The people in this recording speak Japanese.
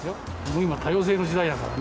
今、多様性の時代だからね。